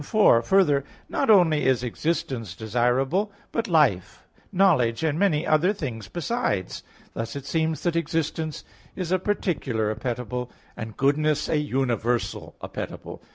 4: Further, not only is existence desirable, but life, knowledge, and many other things besides. Thus it seems that existence is a particular appetible, and goodness a universal appetible.